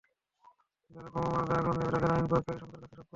যারা বোমা মারবে, আগুন দেবে, তাদের আইন প্রয়োগকারী সংস্থার কাছে সোপর্দ করুন।